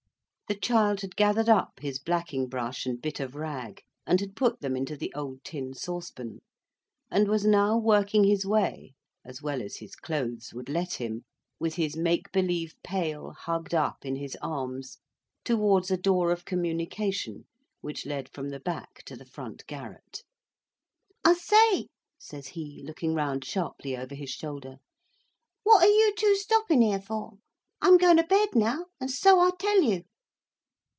The child had gathered up his blacking brush and bit of rag, and had put them into the old tin saucepan; and was now working his way, as well as his clothes would let him, with his make believe pail hugged up in his arms, towards a door of communication which led from the back to the front garret. "I say," says he, looking round sharply over his shoulder, "what are you two stopping here for? I'm going to bed now—and so I tell you!"